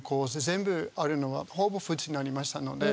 全部あるのはほぼ普通になりましたので。